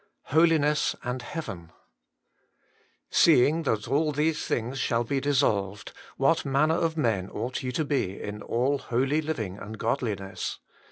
Holiness auto * Seeing that all these things shall be dissolved, what manner of men ought ye to be in all holy living and godliness?'